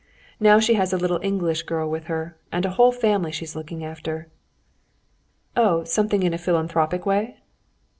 Now she has a little English girl with her, and a whole family she's looking after." "Oh, something in a philanthropic way?"